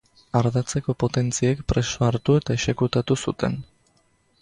Ardatzeko potentziek preso hartu eta exekutatu zuten.